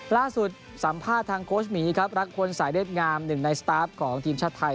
ล่าสุดสัมภาษณ์ทางโค้ชหมีครับรักพลสายเด็ดงามหนึ่งในสตาร์ฟของทีมชาติไทย